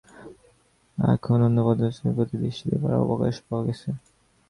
এখন অন্য পদ্মহস্তগুলির প্রতি দৃষ্টি দেবার অবকাশ পাওয়া গেছে।